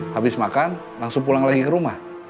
habis makan langsung pulang lagi ke rumah